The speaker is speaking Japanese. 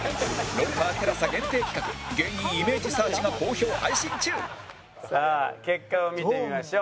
『ロンハー』ＴＥＬＡＳＡ 限定企画芸人イメージサーチが好評配信中さあ結果を見てみましょう。